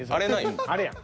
あれやん。